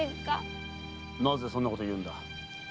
なぜそんなことを言うんだ？